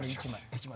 １枚！